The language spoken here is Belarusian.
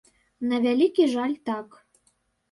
На вялікі жаль, так.